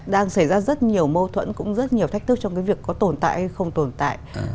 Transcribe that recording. đang xảy ra rất nhiều mâu thuẫn cũng rất nhiều thách thức trong cái việc có tồn tại hay không tồn tại